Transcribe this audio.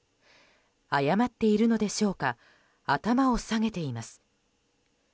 謝っているのでしょうか頭を下げています。